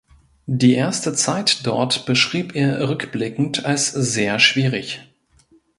Die erste Zeit dort beschrieb er rückblickend als sehr schwierig.